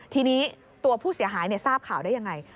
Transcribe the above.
ทีนี้ตัวผู้เสียหายทราบข่าวได้ยังไง